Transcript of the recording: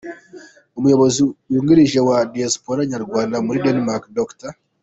Umuyobozi wungirije wa Diaspora Nyarwanda muri Danemark, Dr.